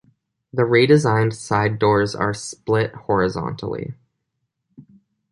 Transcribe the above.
The redesigned side doors are split horizontally.